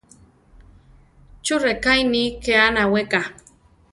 ¿Chú rʼeká iʼní ké anaweka?